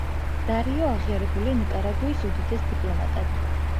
დარიო აღიარებულია ნიკარაგუის უდიდეს დიპლომატად.